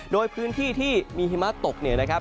โดยพื้นที่ที่มีหิมะตกเนี่ยนะครับ